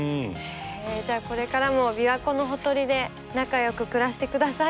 じゃあこれからも琵琶湖のほとりで仲良く暮らしてくださいね。